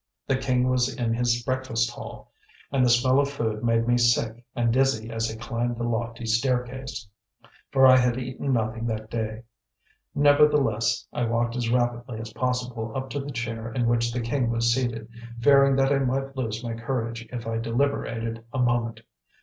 The king was in his breakfast hall, and the smell of food made me feel sick and dizzy as I climbed the lofty staircase, for I had eaten nothing that day. Nevertheless, I walked as rapidly as possible up to the chair in which the king was seated, fearing that I might lose my courage if I deliberated a moment.